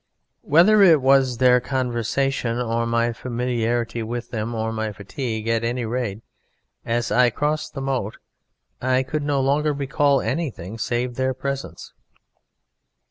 Whether it was their conversation or my familiarity with them or my fatigue, at any rate, as I crossed the moat I could no longer recall anything save their presence.